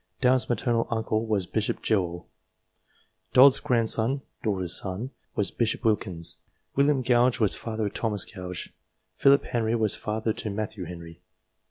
Downe's maternal uncle was Bishop Jewell. Dod's grandson (daughter's son) was Bishop Wilkins. William Gouge was father of Thomas Gouge. Philip Henry was father to Matthew Henry.